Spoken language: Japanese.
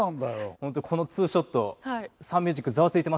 ホントこのツーショットサンミュージックざわついてますよ。